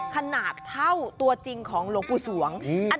ขนาดเท่าตัวจริงของหลวงปู่สวง